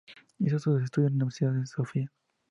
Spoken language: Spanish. Hizo sus estudios en la Universidad de Sofía.